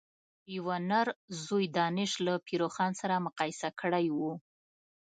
یوه نر ځوی دانش له پير روښان سره مقايسه کړی و.